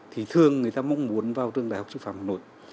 thì thường người ta mong muốn vào trường đại học sư phạm hà nội